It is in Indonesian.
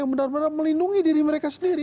yang benar benar melindungi diri mereka sendiri